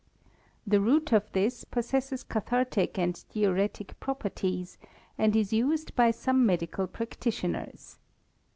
The root of this possesses cathartic and diuretic properties, and is used by some medical practitioners.